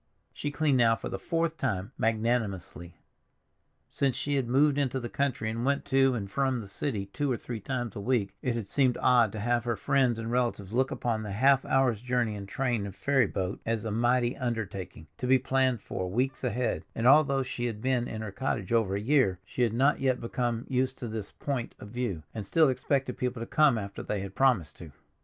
She cleaned now for the fourth time magnanimously. Since she had moved into the country, and went to and from the city two or three times a week, it had seemed odd to have her friends and relatives look upon the half hour's journey in train and ferry boat as a mighty undertaking, to be planned for weeks ahead; and although she had been in her cottage over a year, she had not yet become used to this point of view, and still expected people to come after they had promised to.